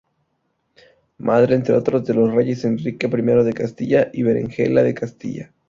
Madre, entre otros, de los reyes Enrique I de Castilla y Berenguela de Castilla.